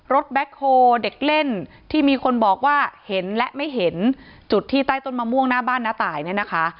แบ็คโฮเด็กเล่นที่มีคนบอกว่าเห็นและไม่เห็นจุดที่ใต้ต้นมะม่วงหน้าบ้านน้าตายเนี่ยนะคะ